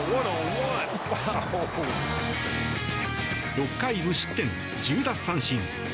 ６回無失点１０奪三振。